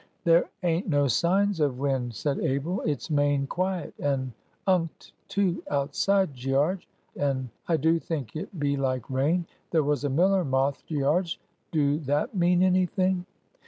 "There ain't no signs of wind," said Abel. "It's main quiet and unked too outside, Gearge. And I do think it be like rain. There was a miller moth, Gearge; do that mean any thing?"